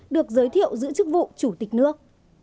được giới thiệu giữ chức vụ chủ tịch nước